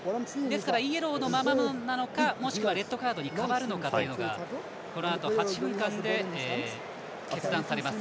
イエローのままなのかもしくはレッドカードに変わるのか、８分間で決断されます。